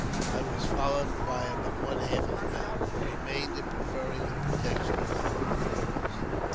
I wal"" followed by about one half the men, the remainder preferring the protection of the wooden w^alls.